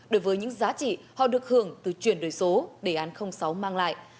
đối với những giá trị họ được hưởng từ chuyển đổi số đề án sáu mang lại